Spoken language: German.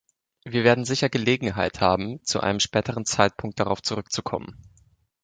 Wir werden sicher Gelegenheit haben, zu einem späteren Zeitpunkt darauf zurückzukommen.